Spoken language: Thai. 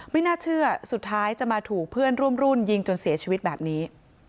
ไม่น่าเชื่อสุดท้ายจะมาถูกเพื่อนร่วมรุ่นยิงจนเสียชีวิตแบบนี้